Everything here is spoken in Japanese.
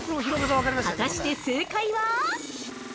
◆果たして正解は。